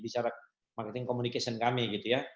bicara marketing communication kami gitu ya